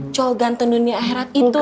cowok ganteng dunia akhirat itu